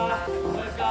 どうですか？